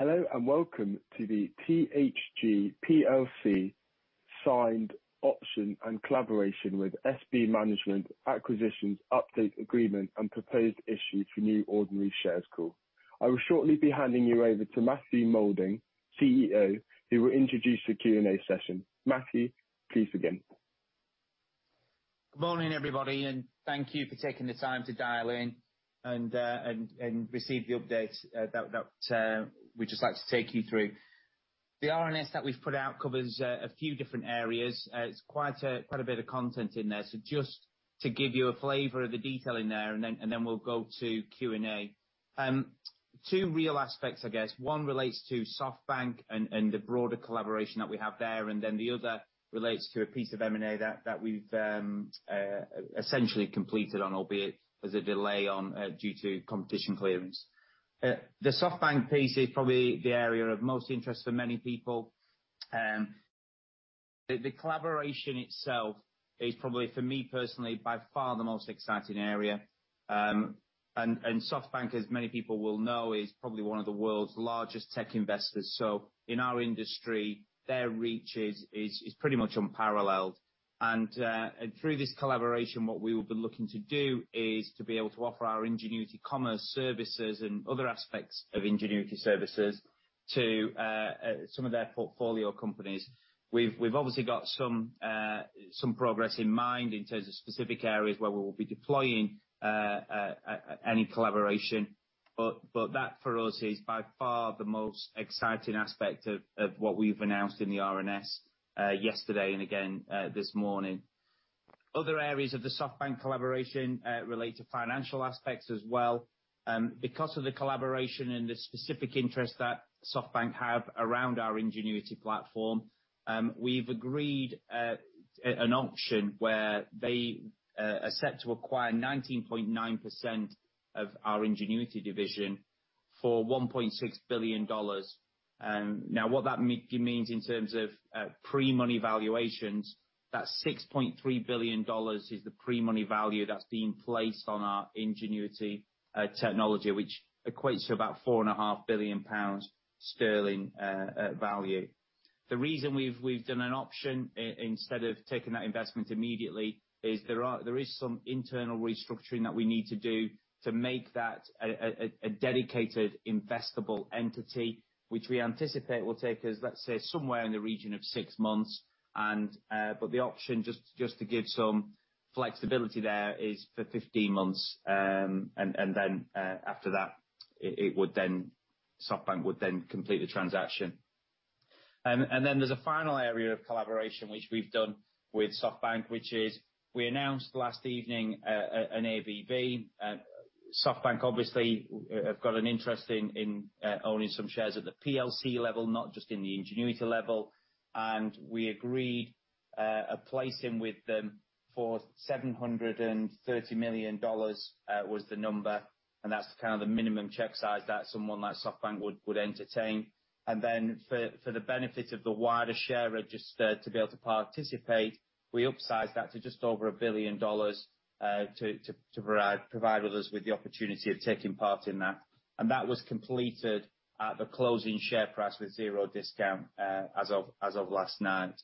Hello, and welcome to the THG plc signed option and collaboration with SB Management acquisitions update agreement and proposed issue for new ordinary shares call. I will shortly be handing you over to Matthew Moulding, CEO, who will introduce the Q&A session. Matthew, please begin. Good morning, everybody, and thank you for taking the time to dial in and receive the update that we'd just like to take you through. The RNS that we've put out covers a few different areas. It's quite a bit of content in there. Just to give you a flavor of the detail in there, and then we'll go to Q&A. Two real aspects, I guess. One relates to SoftBank and the broader collaboration that we have there, and then the other relates to a piece of M&A that we've essentially completed on, albeit there's a delay on due to competition clearance. The SoftBank piece is probably the area of most interest for many people. The collaboration itself is probably, for me personally, by far the most exciting area. SoftBank, as many people will know, is probably one of the world's largest tech investors. In our industry, their reach is pretty much unparalleled. Through this collaboration, what we will be looking to do is to be able to offer our Ingenuity Commerce services and other aspects of Ingenuity services to some of their portfolio companies. We've obviously got some progress in mind in terms of specific areas where we will be deploying any collaboration. That for us is by far the most exciting aspect of what we've announced in the RNS yesterday and again this morning. Other areas of the SoftBank collaboration relate to financial aspects as well. Because of the collaboration and the specific interest that SoftBank have around our Ingenuity platform, we've agreed an option where they are set to acquire 19.9% of our Ingenuity division for $1.6 billion. What that means in terms of pre-money valuations, that $6.3 billion is the pre-money value that's being placed on our Ingenuity technology, which equates to about 4.5 billion sterling value. The reason we've done an option instead of taking that investment immediately is there is some internal restructuring that we need to do to make that a dedicated investable entity, which we anticipate will take us, let's say, somewhere in the region of six months. The option, just to give some flexibility there, is for 15 months. After that, SoftBank would then complete the transaction. There's a final area of collaboration which we've done with SoftBank, which is we announced last evening an ABB. SoftBank obviously have got an interest in owning some shares at the PLC level, not just in the Ingenuity level. We agreed a placing with them for $730 million, was the number, and that's kind of the minimum check size that someone like SoftBank would entertain. Then for the benefit of the wider share register to be able to participate, we upsized that to just over $1 billion to provide others with the opportunity of taking part in that. That was completed at the closing share price with zero discount as of last night.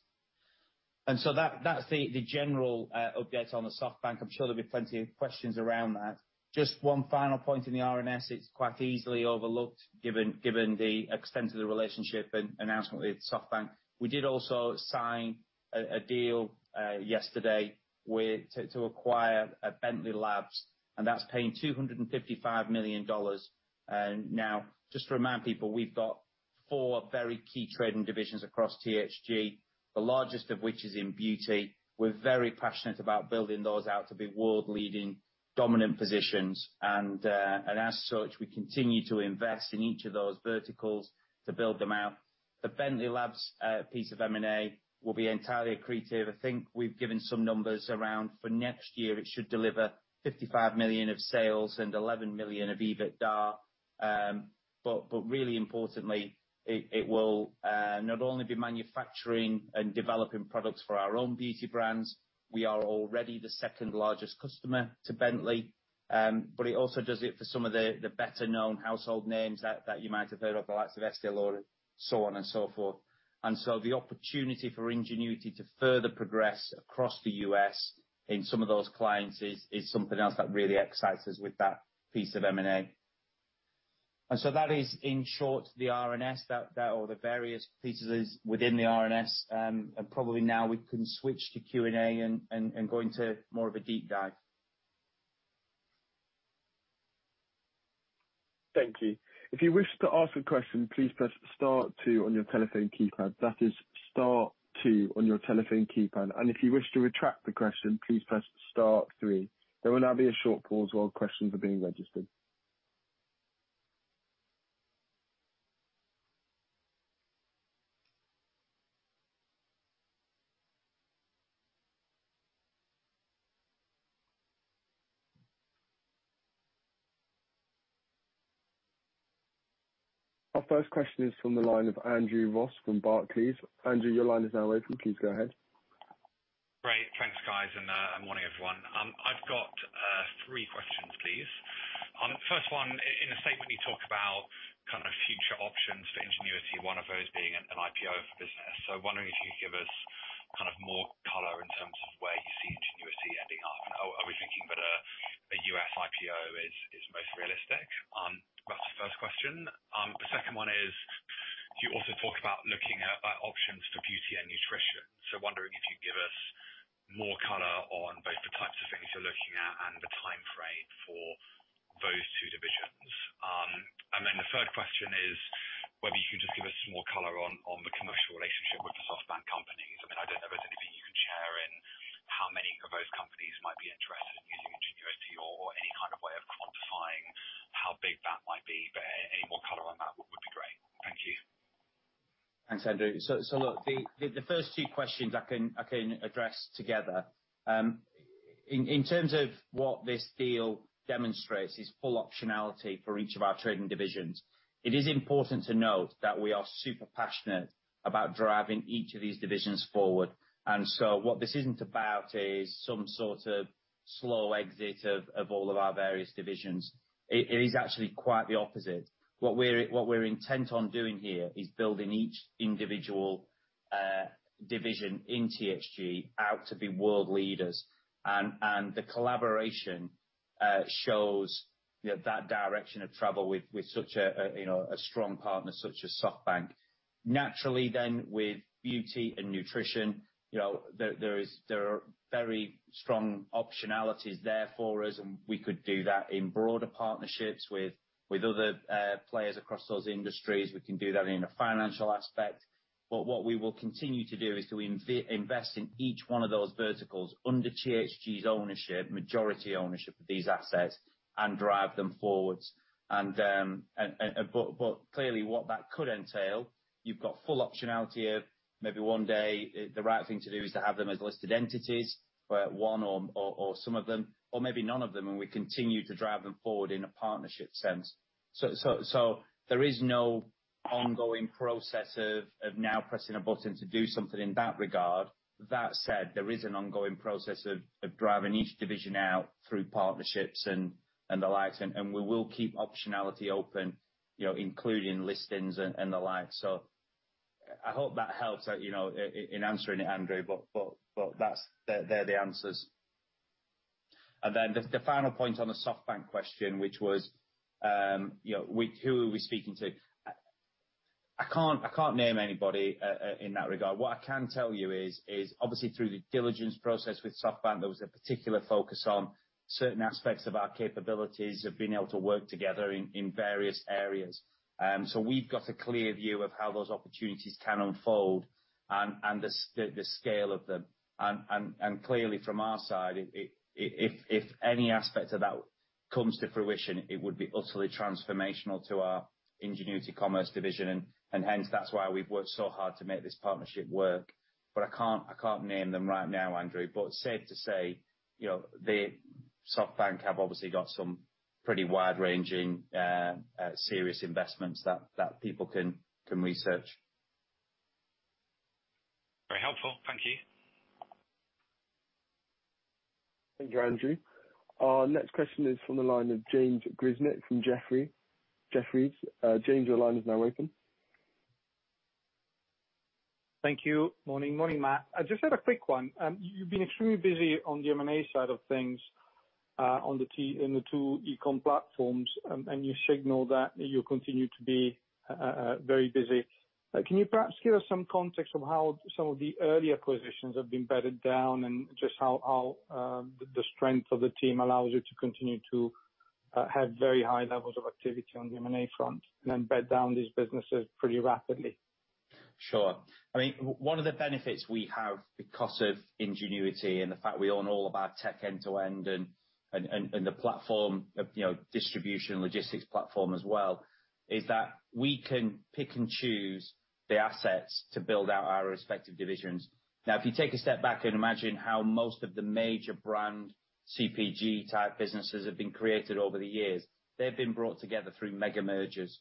So that's the general update on the SoftBank. I'm sure there'll be plenty of questions around that. Just one final point in the RNS. It's quite easily overlooked given the extent of the relationship and announcement with SoftBank. We did also sign a deal yesterday to acquire Bentley Labs, and that's paying $255 million. Now, just to remind people, we've got four very key trading divisions across THG, the largest of which is in beauty. We're very passionate about building those out to be world-leading dominant positions. As such, we continue to invest in each of those verticals to build them out. The Bentley Labs piece of M&A will be entirely accretive. I think we've given some numbers around for next year, it should deliver 55 million of sales and 11 million of EBITDA. Really importantly, it will not only be manufacturing and developing products for our own beauty brands, we are already the second largest customer to Bentley, but it also does it for some of the better known household names that you might have heard of, the likes of Estée Lauder, so on and so forth. The opportunity for Ingenuity to further progress across the U.S. in some of those clients is something else that really excites us with that piece of M&A. That is, in short, the RNS, or the various pieces within the RNS. Probably now we can switch to Q&A and go into more of a deep dive. Thank you. If you wish to ask a question, please press star two on your telephone keypad, that is star two, on your telephone keypad. If you wish to retract the question please press star three. There will now be a short pause while questions are being registered. Our first question is from the line of Andrew Ross from Barclays. Andrew, your line is now open. Please go ahead. Three questions, please. First one, in the statement you talk about future options for Ingenuity, one of those being an IPO of the business. Wondering if you could give us more color in terms of where you see Ingenuity ending up. Are we thinking that a U.S. IPO is most realistic? That's the first question. The second one is, you also talk about looking at options for Beauty and Nutrition. Wondering if you could give us more color on both the types of things you're looking at and the timeframe for those two divisions. The third question is whether you can just give us some more color on the commercial relationship with the SoftBank companies. I don't know if there's anything you can share in how many of those companies might be interested in using Ingenuity or any kind of way of quantifying how big that might be. Any more color on that would be great. Thank you. Thanks, Andrew. Look, the first two questions I can address together. In terms of what this deal demonstrates is full optionality for each of our trading divisions. It is important to note that we are super passionate about driving each of these divisions forward. What this isn't about is some sort of slow exit of all of our various divisions. It is actually quite the opposite. What we're intent on doing here is building each individual division in THG out to be world leaders. The collaboration shows that direction of travel with such a strong partner such as SoftBank. Naturally with beauty and nutrition, there are very strong optionalities there for us, and we could do that in broader partnerships with other players across those industries. We can do that in a financial aspect. What we will continue to do is to invest in each one of those verticals under THG's ownership, majority ownership of these assets, and drive them forwards. Clearly what that could entail, you've got full optionality of maybe one day the right thing to do is to have them as listed entities, one or some of them. Maybe none of them, and we continue to drive them forward in a partnership sense. There is no ongoing process of now pressing a button to do something in that regard. That said, there is an ongoing process of driving each division out through partnerships and the like. We will keep optionality open, including listings and the like. I hope that helps out in answering it, Andrew, but they're the answers. The final point on the SoftBank question, which was who are we speaking to? I can't name anybody in that regard. What I can tell you is, obviously through the diligence process with SoftBank, there was a particular focus on certain aspects of our capabilities of being able to work together in various areas. We've got a clear view of how those opportunities can unfold and the scale of them. Clearly from our side, if any aspect of that comes to fruition, it would be utterly transformational to our Ingenuity commerce division. Hence, that's why we've worked so hard to make this partnership work. I can't name them right now, Andrew. It's safe to say, SoftBank have obviously got some pretty wide-ranging serious investments that people can research. Very helpful. Thank you. Thank you, Andrew. Our next question is from the line of James Grzinic from Jefferies. James, your line is now open. Thank you. Morning, Matt. I just had a quick one. You've been extremely busy on the M&A side of things in the two e-com platforms, and you signal that you continue to be very busy. Can you perhaps give us some context on how some of the earlier acquisitions have been bedded down and just how the strength of the team allows you to continue to have very high levels of activity on the M&A front and then bed down these businesses pretty rapidly? Sure. One of the benefits we have because of Ingenuity and the fact we own all of our tech end to end and the platform, distribution logistics platform as well, is that we can pick and choose the assets to build out our respective divisions. If you take a step back and imagine how most of the major brand CPG type businesses have been created over the years, they've been brought together through mega mergers.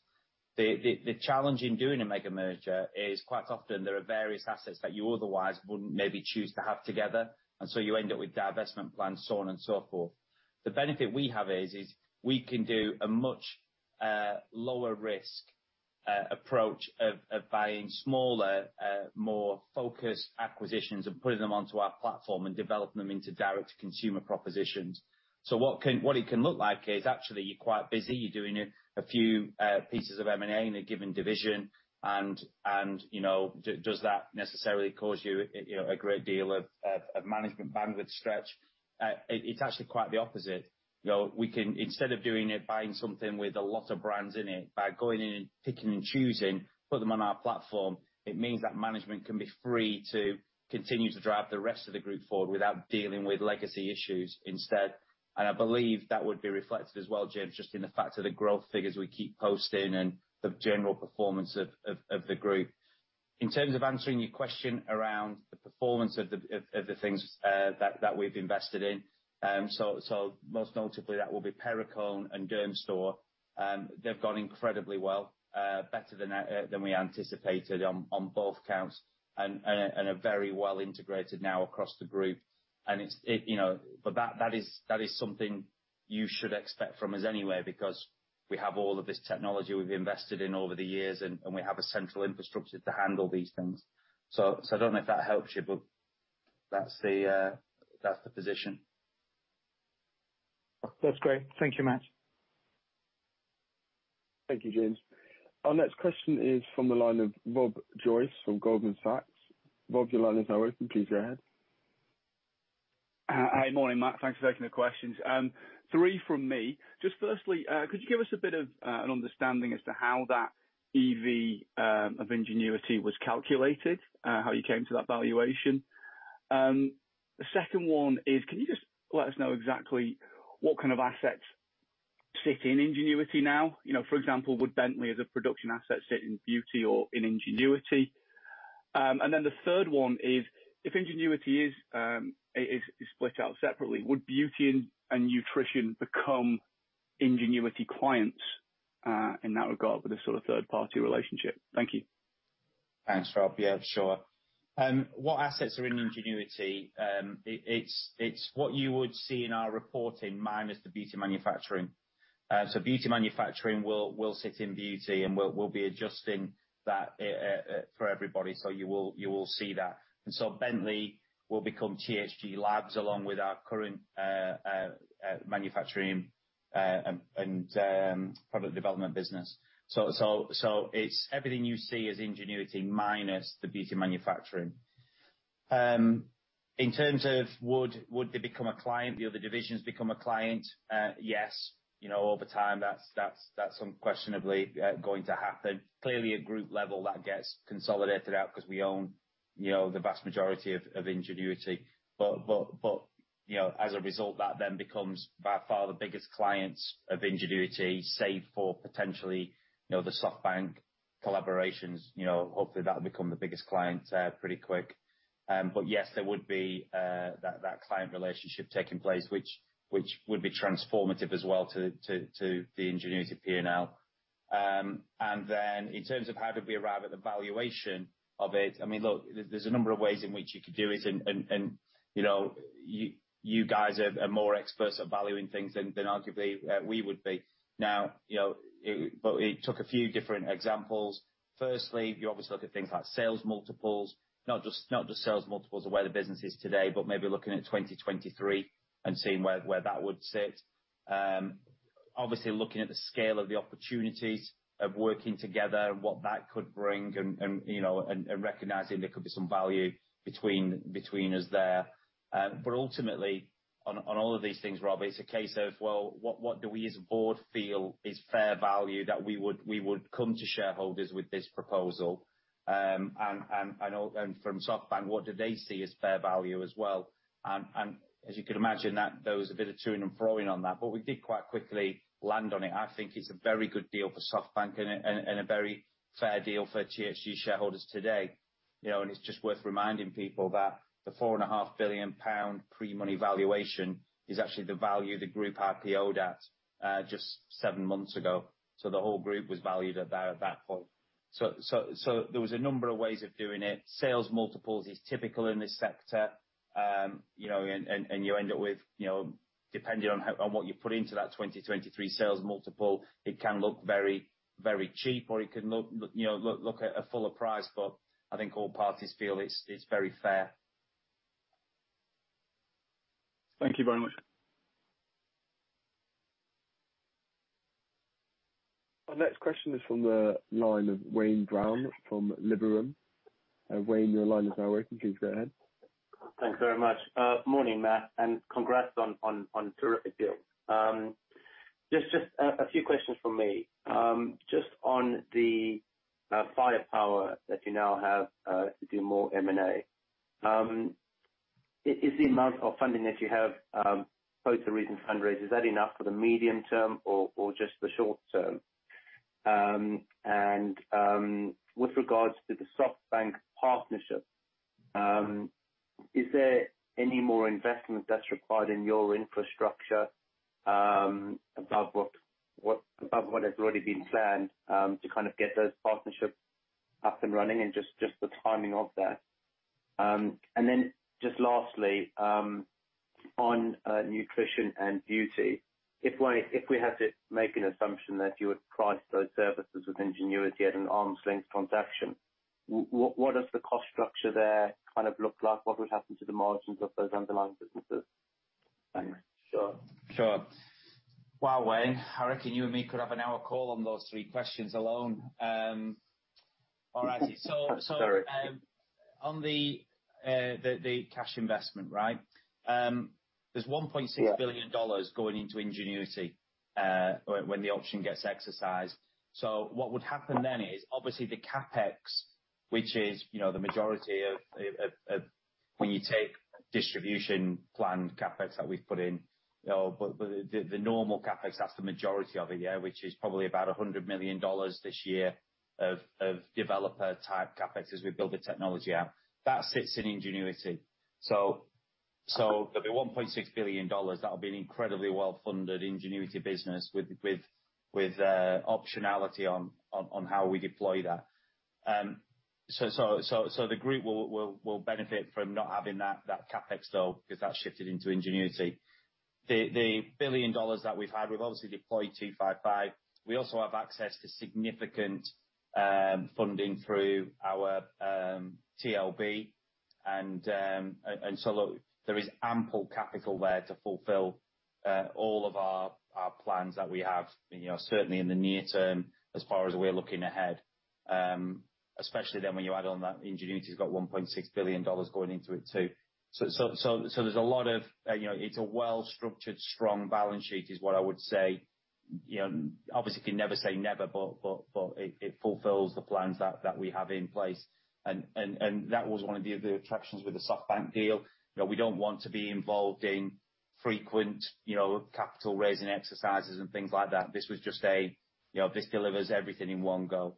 The challenge in doing a mega merger is quite often there are various assets that you otherwise wouldn't maybe choose to have together, and so you end up with divestment plans, so on and so forth. The benefit we have is we can do a much lower risk approach of buying smaller, more focused acquisitions and putting them onto our platform and developing them into direct consumer propositions. What it can look like is actually you're quite busy. You're doing a few pieces of M&A in a given division. Does that necessarily cause you a great deal of management bandwidth stretch? It's actually quite the opposite. Instead of doing it buying something with a lot of brands in it, by going in and picking and choosing, put them on our platform, it means that management can be free to continue to drive the rest of the group forward without dealing with legacy issues instead. I believe that would be reflected as well, James, just in the fact of the growth figures we keep posting and the general performance of the group. In terms of answering your question around the performance of the things that we've invested in. Most notably that will be Perricone and Dermstore. They've gone incredibly well, better than we anticipated on both counts and are very well integrated now across the group. That is something you should expect from us anyway because we have all of this technology we've invested in over the years and we have a central infrastructure to handle these things. I don't know if that helps you, but that's the position. That's great. Thank you, Matt. Thank you, James. Our next question is from the line of Rob Joyce from Goldman Sachs. Rob, your line is now open. Please go ahead. Hi. Morning, Matthew Moulding. Thanks for taking the questions. Three from me. Firstly, could you give us a bit of an understanding as to how that EV of Ingenuity was calculated, how you came to that valuation? The second one is, can you just let us know exactly what kind of assets sit in Ingenuity now? For example, would Bentley as a production asset sit in Beauty or in Ingenuity? The third one is, if Ingenuity is split out separately, would Beauty and Nutrition become Ingenuity clients, in that regard with a sort of third-party relationship? Thank you. Thanks, Rob. Yeah, sure. What assets are in Ingenuity? It's what you would see in our reporting, minus the beauty manufacturing. Beauty manufacturing will sit in Beauty and we'll be adjusting that for everybody, so you will see that. Bentley will become THG Labs along with our current manufacturing and product development business. It's everything you see as Ingenuity minus the beauty manufacturing. In terms of would the other divisions become a client? Yes. Over time that's unquestionably going to happen. Clearly at group level that gets consolidated out because we own the vast majority of Ingenuity. As a result, that then becomes by far the biggest clients of Ingenuity, save for potentially the SoftBank collaborations. Hopefully that'll become the biggest client pretty quick. Yes, there would be that client relationship taking place which would be transformative as well to the Ingenuity P&L. Then in terms of how did we arrive at the valuation of it, look, there's a number of ways in which you could do it and you guys are more experts at valuing things than arguably we would be. We took a few different examples. Firstly, you obviously look at things like sales multiples, not just sales multiples of where the business is today, but maybe looking at 2023 and seeing where that would sit. Obviously looking at the scale of the opportunities of working together and what that could bring and recognizing there could be some value between us there. Ultimately, on all of these things, Rob, it's a case of, well, what do we as a board feel is fair value that we would come to shareholders with this proposal? From SoftBank, what do they see as fair value as well? As you can imagine there was a bit of to-ing and fro-ing on that, but we did quite quickly land on it. I think it's a very good deal for SoftBank and a very fair deal for THG shareholders today. It's just worth reminding people that the 4.5 billion pound pre-money valuation is actually the value the group IPO'd at just seven months ago. The whole group was valued at that point. There was a number of ways of doing it. Sales multiples is typical in this sector. You end up with, depending on what you put into that 2023 sales multiple, it can look very cheap or it can look at a fuller price, but I think all parties feel it's very fair. Thank you very much. Our next question is from the line of Wayne Brown from Liberum. Wayne, your line is now open. Please go ahead. Thanks very much. Morning, Matt, congrats on a terrific deal. Just a few questions from me. Just on the firepower that you now have to do more M&A. Is the amount of funding that you have post the recent fundraise, is that enough for the medium term or just the short term? With regards to the SoftBank partnership, is there any more investment that's required in your infrastructure above what has already been planned to kind of get those partnerships up and running and just the timing of that? Just lastly on Nutrition and Beauty, if we had to make an assumption that you would price those services with Ingenuity at an arm's length transaction, what does the cost structure there kind of look like? What would happen to the margins of those underlying businesses? Thanks. Sure. Wow, Wayne. I reckon you and me could have an hour call on those three questions alone. All right. Sorry. On the cash investment, right? There's $1.6 billion going into Ingenuity when the option gets exercised. What would happen then is obviously the CapEx, which is the majority of when you take distribution planned CapEx that we've put in. The normal CapEx, that's the majority of it, yeah, which is probably about $100 million this year of developer type CapEx as we build the technology out. That sits in Ingenuity. There'll be $1.6 billion that'll be an incredibly well-funded Ingenuity business with optionality on how we deploy that. The group will benefit from not having that CapEx though, because that shifted into Ingenuity. The $1 billion that we've had, we've obviously deployed 255. We also have access to significant funding through our TLB. Look, there is ample capital there to fulfill all of our plans that we have, certainly in the near term as far as we're looking ahead. When you add on that THG Ingenuity's got $1.6 billion going into it too. It's a well-structured, strong balance sheet is what I would say. You can never say never, but it fulfills the plans that we have in place. That was one of the attractions with the SoftBank deal. We don't want to be involved in frequent capital-raising exercises and things like that. This delivers everything in one go.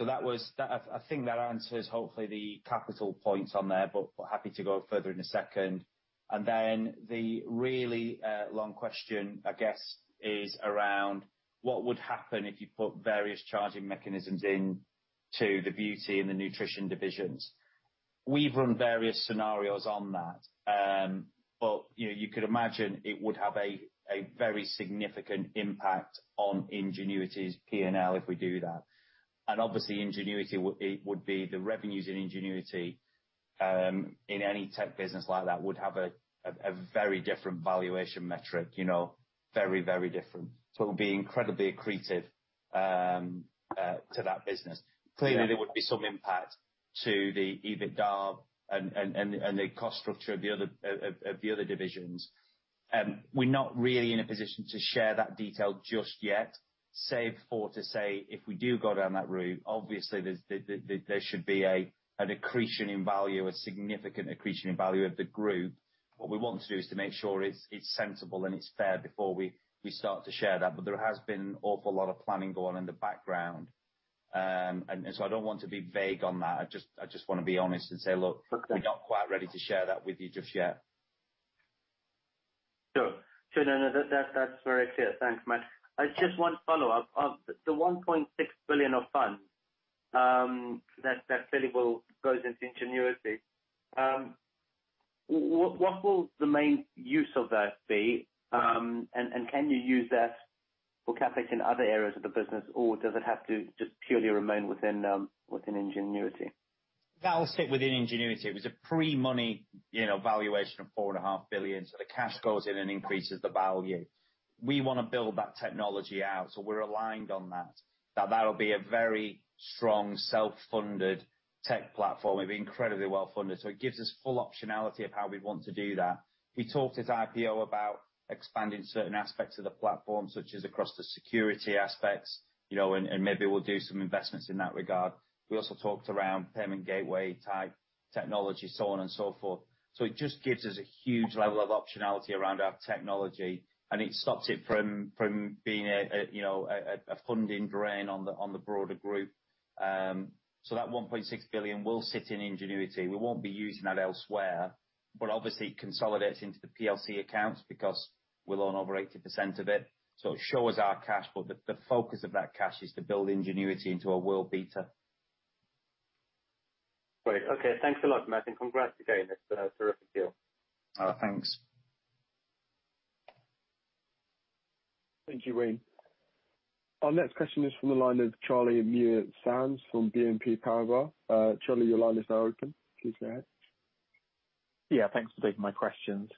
I think that answers, hopefully, the capital points on there, but happy to go further in a second. The really long question, I guess, is around what would happen if you put various charging mechanisms into the Beauty and the nutrition divisions. We've run various scenarios on that. You could imagine it would have a very significant impact on Ingenuity's P&L if we do that. Obviously it would be the revenues in Ingenuity, in any tech business like that, would have a very different valuation metric. Very, very different. It would be incredibly accretive to that business. Clearly, there would be some impact to the EBITDA and the cost structure of the other divisions. We're not really in a position to share that detail just yet, save for to say, if we do go down that route, obviously there should be an accretion in value, a significant accretion in value of the group. What we want to do is to make sure it's sensible and it's fair before we start to share that. There has been an awful lot of planning going on in the background. I don't want to be vague on that. I just want to be honest and say. Okay. We're not quite ready to share that with you just yet. Sure. No, that's very clear. Thanks, Matt. Just one follow-up. The $1.6 billion of funds that clearly will go into Ingenuity. What will the main use of that be? Can you use that for CapEx in other areas of the business, or does it have to just purely remain within Ingenuity? That will sit within Ingenuity. It was a pre-money valuation of 4.5 billion. The cash goes in and increases the value. We want to build that technology out, so we're aligned on that. That'll be a very strong self-funded tech platform. It'll be incredibly well-funded. It gives us full optionality of how we'd want to do that. We talked at IPO about expanding certain aspects of the platform, such as across the security aspects, and maybe we'll do some investments in that regard. We also talked around payment gateway-type technology, so on and so forth. It just gives us a huge level of optionality around our technology, and it stops it from being a funding drain on the broader group. That $1.6 billion will sit in Ingenuity. We won't be using that elsewhere. Obviously it consolidates into the PLC accounts because we own over 80% of it. It shows our cash, but the focus of that cash is to build Ingenuity into a world beater. Great. Okay. Thanks a lot, Matt, and congrats again. It's a terrific deal. Thanks. Thank you, Wayne. Our next question is from the line of Charlie Muir-Sands from BNP Paribas. Charlie, your line is now open. Please go ahead. Thanks for taking my questions.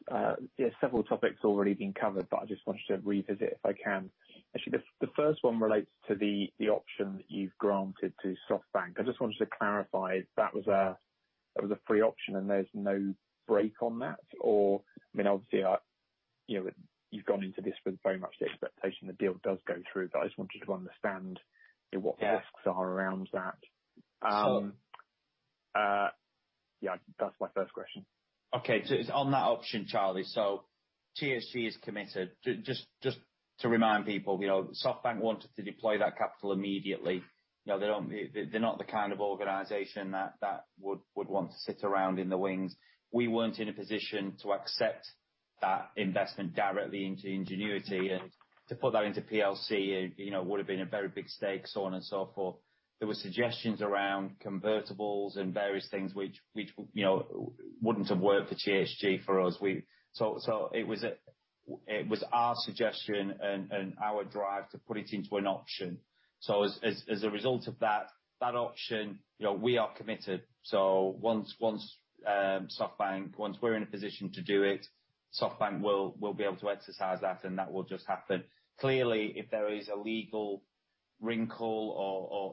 Several topics already been covered, but I just wanted to revisit if I can. Actually, the first one relates to the option that you've granted to SoftBank. I just wanted to clarify if that was a free option and there's no break on that? Obviously, you've gone into this with very much the expectation the deal does go through, but I just wanted to understand what. Yeah. The risks are around that. Sure. Yeah. That's my first question. Okay. It's on that option, Charlie. THG is committed. Just to remind people, SoftBank wanted to deploy that capital immediately. They're not the kind of organization that would want to sit around in the wings. We weren't in a position to accept that investment directly into Ingenuity. To put that into plc, it would've been a very big stake, so on and so forth. There were suggestions around convertibles and various things which wouldn't have worked for THG, for us. It was our suggestion and our drive to put it into an option. As a result of that option we are committed. Once we're in a position to do it, SoftBank will be able to exercise that, and that will just happen. Clearly, if there is a legal wrinkle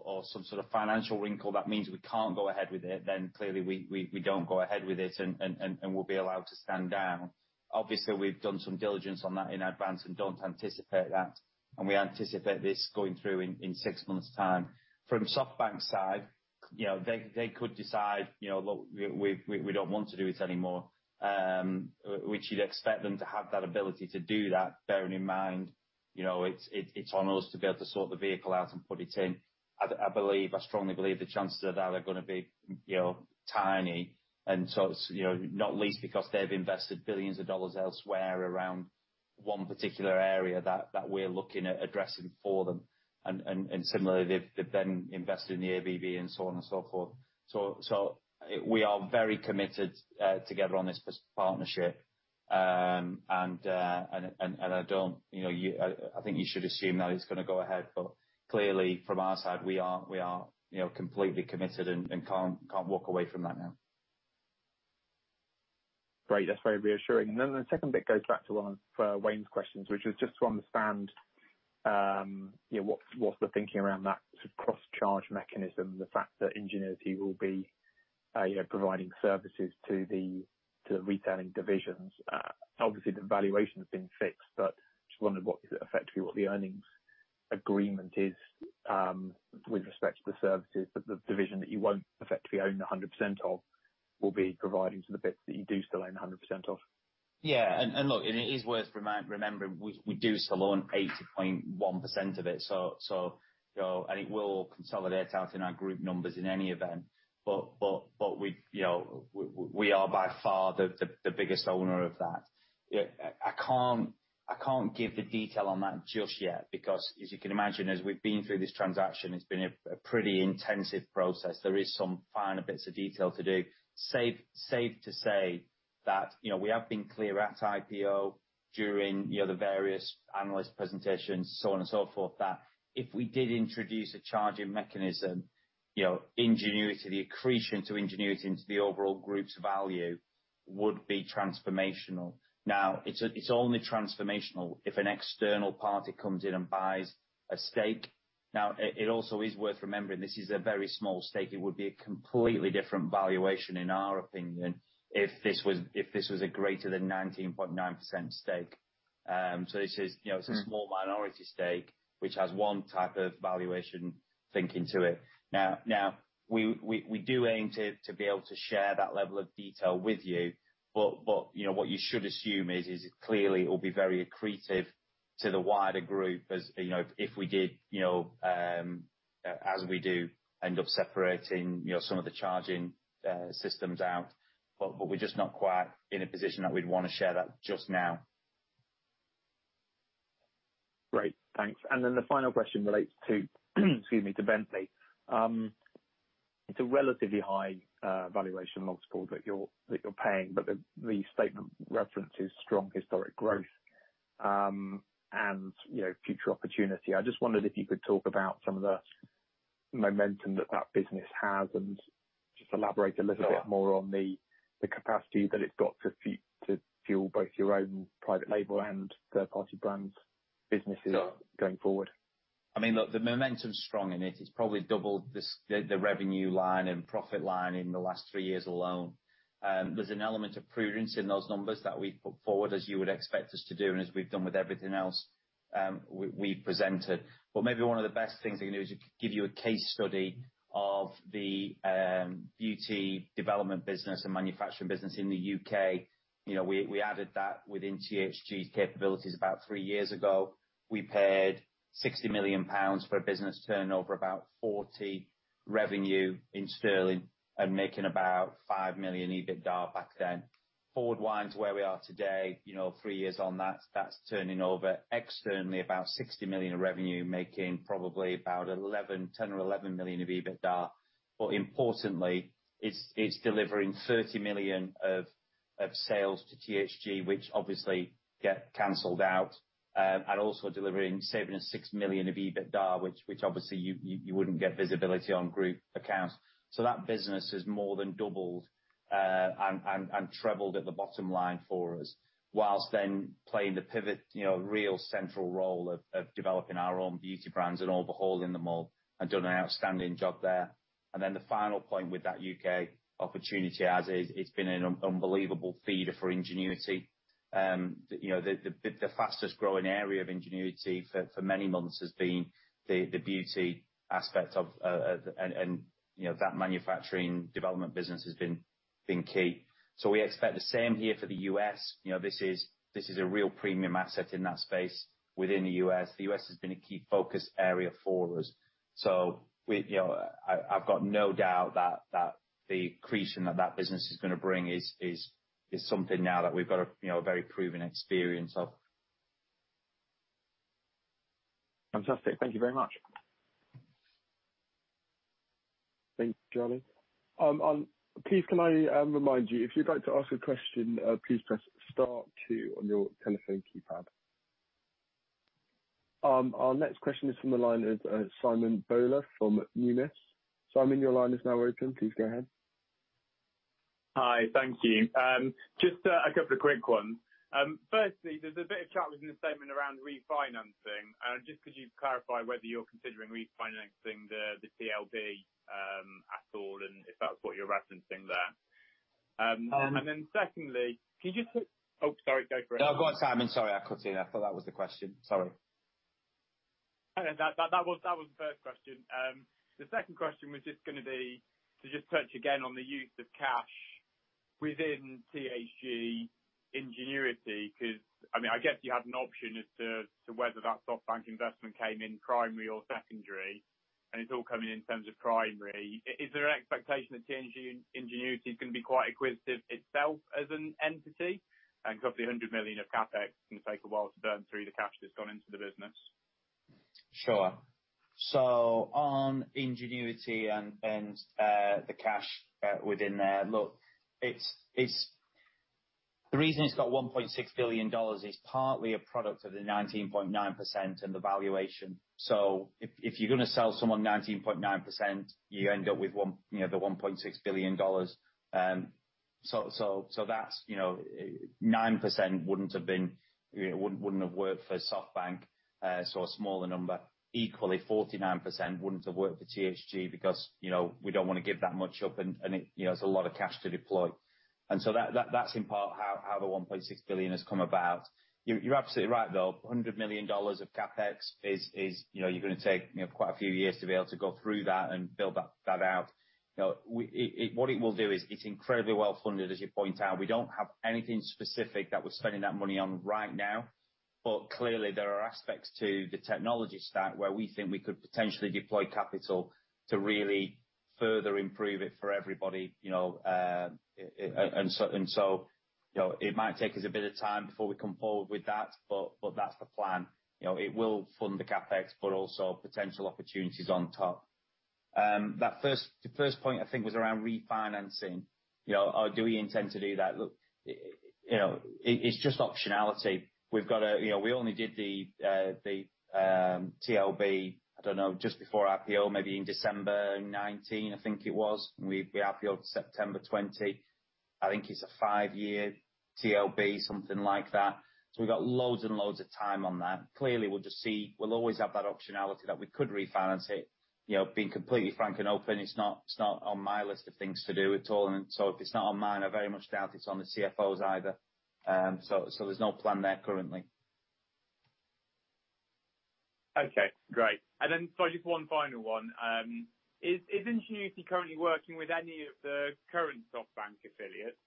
or some sort of financial wrinkle that means we can't go ahead with it, then clearly we don't go ahead with it and we'll be allowed to stand down. Obviously, we've done some diligence on that in advance and don't anticipate that, and we anticipate this going through in six months' time. From SoftBank's side, they could decide, "Look, we don't want to do this anymore," which you'd expect them to have that ability to do that, bearing in mind it's on us to be able to sort the vehicle out and put it in. I strongly believe the chances of that are gonna be tiny, and not least because they've invested billions of dollars elsewhere around one particular area that we're looking at addressing for them, and similarly, they've then invested in the ABB and so on and so forth. We are very committed together on this partnership. I think you should assume that it's going to go ahead, but clearly from our side, we are completely committed and can't walk away from that now. Great. That's very reassuring. The second bit goes back to one of Wayne's questions, which was just to understand what's the thinking around that sort of cross-charge mechanism, the fact that Ingenuity will be providing services to the retailing divisions. Obviously, the valuation has been fixed, just wondered what effectively the earnings agreement is with respect to the services that the division that you won't effectively own 100% of will be providing to the bits that you do still own 100% of. Yeah. Look, and it is worth remembering, we do still own 80.1% of it, and it will consolidate out in our group numbers in any event. We are by far the biggest owner of that. I can't give the detail on that just yet because, as you can imagine, as we've been through this transaction, it's been a pretty intensive process. There is some finer bits of detail to do. Safe to say that we have been clear at IPO during the various analyst presentations, so on and so forth, that if we did introduce a charging mechanism, the accretion to Ingenuity into the overall group's value would be transformational. It's only transformational if an external party comes in and buys a stake. It also is worth remembering this is a very small stake. It would be a completely different valuation in our opinion if this was a greater than 19.9% stake. It's a small minority stake which has one type of valuation thinking to it. We do aim to be able to share that level of detail with you, but what you should assume is clearly it will be very accretive to the wider group as if we did, as we do end up separating some of the charging systems out, but we're just not quite in a position that we'd want to share that just now. Great, thanks. The final question relates to Bentley. It's a relatively high valuation multiple that you're paying, but the statement references strong historic growth and future opportunity. I just wondered if you could talk about some of the momentum that business has and just elaborate a little bit more on the capacity that it's got to fuel both your own private label and third party brands businesses going forward. I mean, look, the momentum's strong in it. It's probably doubled the revenue line and profit line in the last three years alone. There's an element of prudence in those numbers that we put forward, as you would expect us to do, and as we've done with everything else we've presented. Maybe one of the best things I can do is give you a case study of the beauty development business and manufacturing business in the U.K. We added that within THG's capabilities about three years ago. We paid 60 million pounds for a business turnover, about 40 million of revenue, and making about 5 million of EBITDA back then. Forward wind to where we are today, three years on that's turning over externally about 60 million of revenue, making probably about 10 million or 11 million of EBITDA. Importantly, it's delivering 30 million of sales to THG, which obviously get canceled out, and also delivering, saving us 6 million of EBITDA, which obviously you wouldn't get visibility on group accounts. That business has more than doubled and trebled at the bottom line for us, whilst playing the pivotal, real central role of developing our own beauty brands and overhauling them all and done an outstanding job there. The final point with that U.K. opportunity as is, it's been an unbelievable feeder for Ingenuity. The fastest growing area of Ingenuity for many months has been the beauty aspect, that manufacturing development business has been key. We expect the same here for the U.S. This is a real premium asset in that space within the U.S. The U.S. has been a key focus area for us. I've got no doubt that the accretion that that business is going to bring is something now that we've got a very proven experience of. Fantastic. Thank you very much. Thanks, Charlie. Please can I remind you, if you'd like to ask a question, please press star two on your telephone keypad. Our next question is from the line of Simon Bowler from Numis. Simon, your line is now open. Please go ahead. Hi. Thank you. Just a couple of quick ones. Firstly, there's a bit of chat within the statement around refinancing. Just could you clarify whether you're considering refinancing the TLB at all and if that was what you were referencing there? Secondly, could you. Oh, sorry. Go for it. No, go on, Simon. Sorry, I cut in. I thought that was the question. Sorry. No, that was the first question. The second question was just going to be to just touch again on the use of cash within THG Ingenuity, because I guess you had an option as to whether that SoftBank investment came in primary or secondary. It's all coming in terms of primary. Is there an expectation that THG Ingenuity is going to be quite acquisitive itself as an entity? Roughly $100 million of CapEx is going to take a while to burn through the cash that's gone into the business. Sure. On Ingenuity and the cash within there, look, the reason it's got $1.6 billion is partly a product of the 19.9% and the valuation. If you're going to sell someone 19.9%, you end up with the $1.6 billion. 9% wouldn't have worked for SoftBank, a smaller number. Equally, 49% wouldn't have worked for THG because we don't want to give that much up, and it's a lot of cash to deploy. That's in part how the $1.6 billion has come about. You're absolutely right, though. $100 million of CapEx is, you're going to take quite a few years to be able to go through that and build that out. What it will do is, it's incredibly well funded, as you point out. We don't have anything specific that we're spending that money on right now. Clearly there are aspects to the technology stack where we think we could potentially deploy capital to really further improve it for everybody. It might take us a bit of time before we come forward with that, but that's the plan. It will fund the CapEx, but also potential opportunities on top. The first point I think was around refinancing. Do we intend to do that? Look, it's just optionality. We only did the TLB, I don't know, just before IPO, maybe in December 2019, I think it was. We IPO'd September 2020. I think it's a five-year TLB, something like that. We've got loads and loads of time on that. Clearly, we'll just see. We'll always have that optionality that we could refinance it. Being completely frank and open, it's not on my list of things to do at all. If it's not on mine, I very much doubt it's on the CFO's either. There's no plan there currently. Okay, great. Sorry, just one final one. Is Ingenuity currently working with any of the current SoftBank affiliates?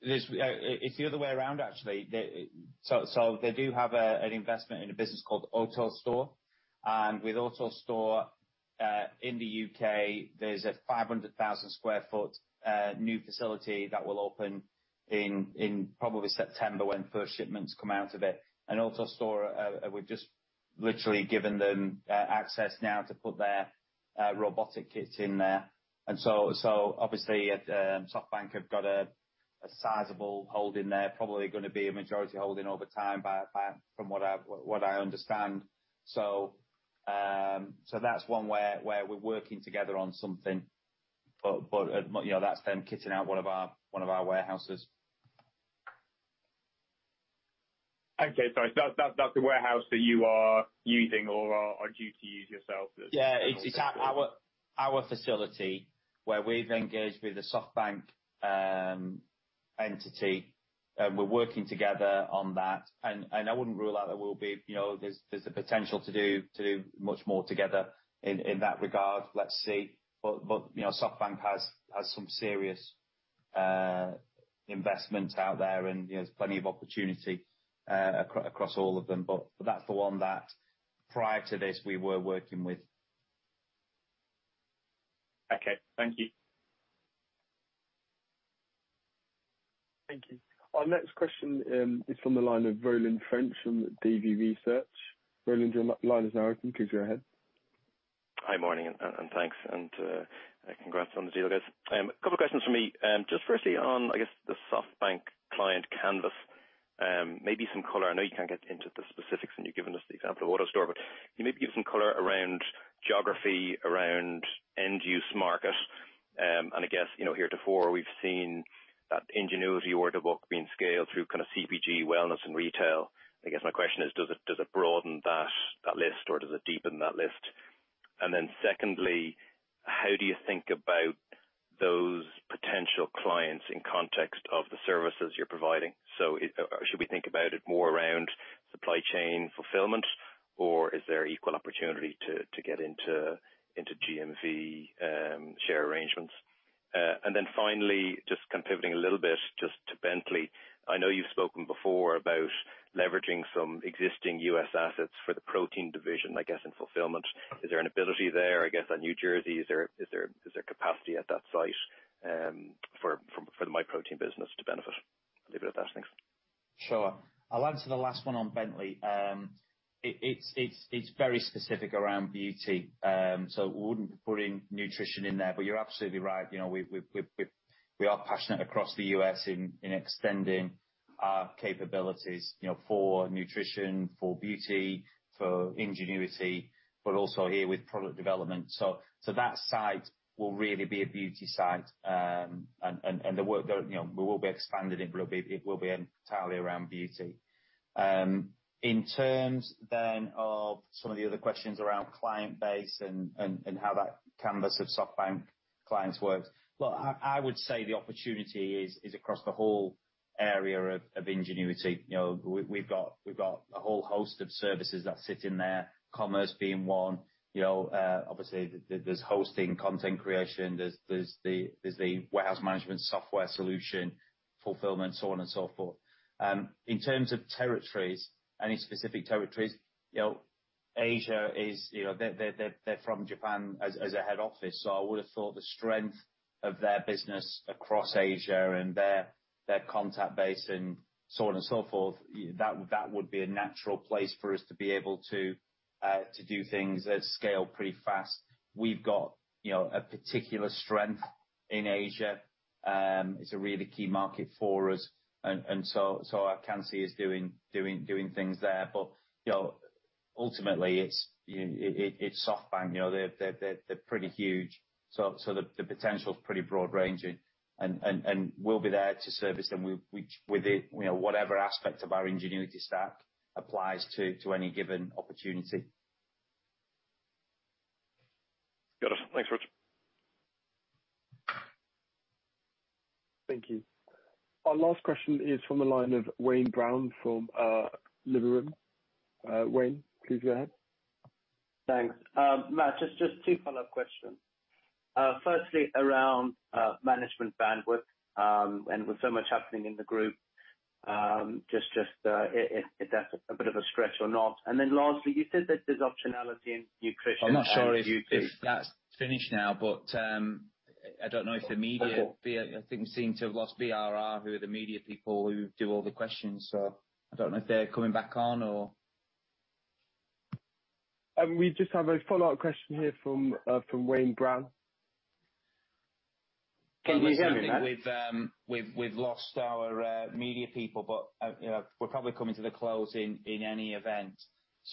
It's the other way around, actually. They do have an investment in a business called AutoStore. With AutoStore, in the U.K., there's a 500,000 sq ft new facility that will open in probably September when first shipments come out of it. AutoStore, we've just literally given them access now to put their robotic kits in there. Obviously, SoftBank have got a sizable hold in there, probably going to be a majority holding over time from what I understand. That's one way where we're working together on something. That's them kitting out one of our warehouses. Okay. Sorry, that's the warehouse that you are using or are due to use yourselves. Yeah, it's our facility where we've engaged with a SoftBank entity. We're working together on that. I wouldn't rule out there's the potential to do much more together in that regard. Let's see. SoftBank has some serious investment out there, and there's plenty of opportunity across all of them. That's the one that, prior to this, we were working with. Okay. Thank you. Thank you. Our next question is from the line of Roland French from Davy Research. Roland, your line is now open. Please go ahead. Hi, morning and thanks, and congrats on the deal, guys. A couple questions from me. Just firstly on, I guess, the SoftBank client canvas, maybe some color. I know you can't get into the specifics, and you've given us the example of AutoStore, but can you maybe give some color around geography, around end-use market? I guess heretofore, we've seen that Ingenuity order book being scaled through kind of CPG wellness and retail. I guess my question is, does it broaden that list, or does it deepen that list? Secondly, how do you think about those potential clients in context of the services you're providing? Should we think about it more around supply chain fulfillment, or is there equal opportunity to get into GMV share arrangements? Finally, just kind of pivoting a little bit just to Bentley. I know you've spoken before about leveraging some existing U.S. assets for the protein division, I guess in fulfillment. Is there an ability there, I guess, at New Jersey? Is there capacity at that site for the Myprotein business to benefit? I'll leave it at that. Thanks. Sure. I'll answer the last one on Bentley. It's very specific around beauty. We wouldn't be putting nutrition in there. You're absolutely right. We are passionate across the U.S. in extending our capabilities for nutrition, for beauty, for Ingenuity, but also here with product development. That site will really be a beauty site. The work there will be expanded, it will be entirely around beauty. In terms then of some of the other questions around client base and how that canvas of SoftBank clients works, look, I would say the opportunity is across the whole area of Ingenuity. We've got a whole host of services that sit in there, commerce being one. Obviously, there's hosting, content creation, there's the warehouse management software solution Fulfillment, so on and so forth. In terms of territories, any specific territories, Asia, they're from Japan as a head office, so I would've thought the strength of their business across Asia and their contact base and so on and so forth, that would be a natural place for us to be able to do things at scale pretty fast. We've got a particular strength in Asia. It's a really key market for us, and so I can see us doing things there. Ultimately, it's SoftBank. They're pretty huge. The potential is pretty broad-ranging, and we'll be there to service them with whatever aspect of our Ingenuity stack applies to any given opportunity. Got it. Thanks, Matthew. Thank you. Our last question is from the line of Wayne Brown from Liberum. Wayne, please go ahead. Thanks. Matt, just two follow-up questions. Around management bandwidth, with so much happening in the group, just if that's a bit of a stretch or not. Lastly, you said that there's optionality in nutrition and beauty- I'm not sure if that's finished now. I think we seem to have lost BRR, who are the media people who do all the questions. I don't know if they're coming back on or We just have a follow-up question here from Wayne Brown. Can you hear me, Matt? It sounds like we've lost our media people, but we're probably coming to the close in any event.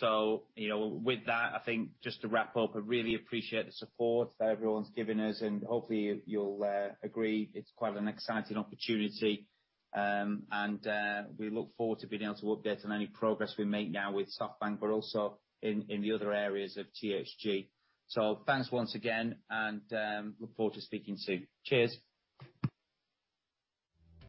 With that, I think just to wrap up, I really appreciate the support that everyone's given us, and hopefully you'll agree it's quite an exciting opportunity. We look forward to being able to update on any progress we make now with SoftBank, but also in the other areas of THG. Thanks once again, and look forward to speaking soon. Cheers.